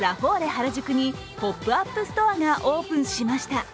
原宿にポップアップストアがオープンしました。